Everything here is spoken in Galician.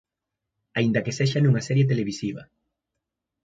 Aínda que sexa nunha serie televisiva.